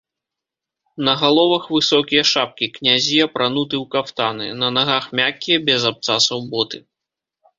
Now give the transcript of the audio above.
На галовах высокія шапкі, князі апрануты ў кафтаны, на нагах мяккія, без абцасаў боты.